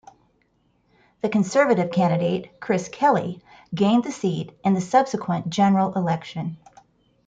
The Conservative candidate, Chris Kelly, gained the seat in the subsequent general election.